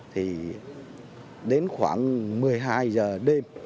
thì đến khoảng một mươi hai giờ đêm